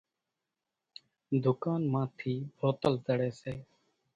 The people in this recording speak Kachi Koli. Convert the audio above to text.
ۮُڪانَ مان ٿِي بوتل زڙيَ سي۔